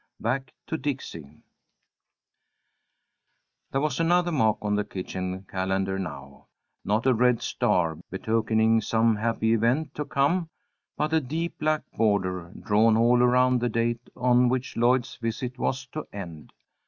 BACK TO DIXIE THERE was another mark on the kitchen calendar now; not a red star, betokening some happy event to come, but a deep black border, drawn all around the date on which Lloyd's visit was to end.